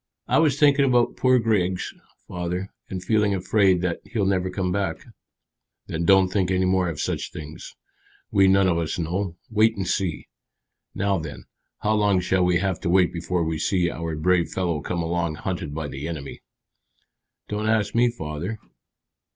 "I was thinking about poor Griggs, father, and feeling afraid that he'll never come back." "Then don't think any more of such things. We none of us know. Wait and see. Now then, how long shall we have to wait before we see our brave fellow come along hunted by the enemy?" "Don't ask me, father."